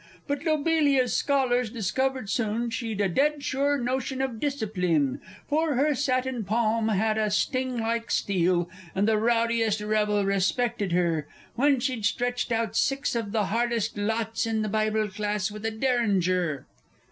But Lobelia's scholars discovered soon she'd a dead sure notion of discipline; For her satin palm had a sting like steel, and the rowdiest rebel respected her, When she'd stretched out six of the hardest lots in the Bible Class with a Derringer!